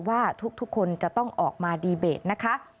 ว่าทุกคนจะต้องออกมาดีเบตนะคะ